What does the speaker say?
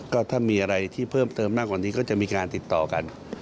ก็ถ้ามีอะไรที่เพิ่มเติมมากกว่านี้ก็จะมีการติดต่อกัน